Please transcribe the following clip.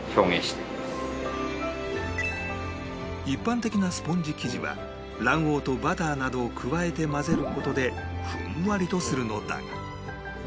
一般的なスポンジ生地は卵黄とバターなどを加えて混ぜる事でふんわりとするのだが